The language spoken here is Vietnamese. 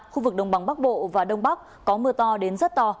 khu vực đồng bằng bắc bộ và đông bắc có mưa to đến rất to